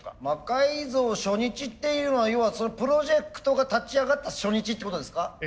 魔改造初日っていうのは要はプロジェクトが立ち上がった初日ってことですか？